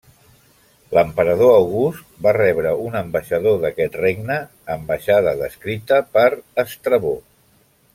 L'emperador August va rebre un ambaixador d'aquest regne, ambaixada descrita per Estrabó.